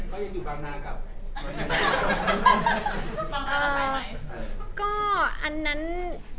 ก็ยังอยู่บางหน้ากลับ